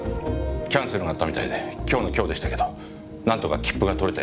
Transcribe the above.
キャンセルがあったみたいで今日の今日でしたけどなんとか切符が取れて。